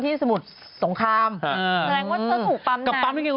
ทั่วไปปั๊มปัมมันอย่างเดียว